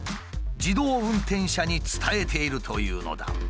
自動運転車に伝えているというのだ。